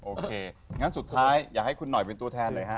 โอเคงั้นสุดท้ายอยากให้คุณหน่อยเป็นตัวแทนเลยฮะ